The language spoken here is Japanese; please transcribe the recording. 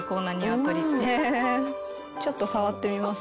ちょっと触ってみます？